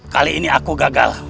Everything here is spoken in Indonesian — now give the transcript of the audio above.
kali ini aku gagal